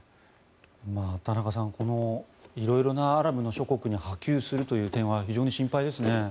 田中さん、この色々なアラブの諸国に波及する点は非常に心配ですね。